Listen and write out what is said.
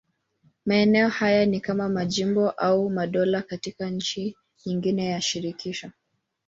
Maeneo haya ni kama majimbo au madola katika nchi nyingine ya shirikisho.